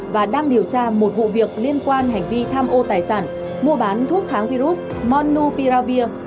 và đang điều tra một vụ việc liên quan hành vi tham ô tài sản mua bán thuốc kháng virus monu piravir